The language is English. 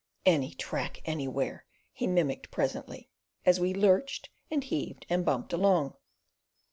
"Any track anywhere!" he mimicked presently, as we lurched, and heaved, and bumped along.